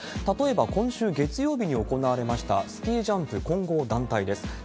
例えば今週月曜日に行われました、スキージャンプ混合団体です。